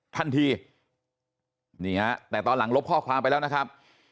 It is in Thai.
ทันทีนี่ฮะแต่ตอนหลังลบข้อความไปแล้วนะครับ